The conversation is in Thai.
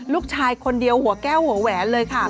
ลูกชายคนเดียวหัวแก้วหัวแหวนเลยค่ะ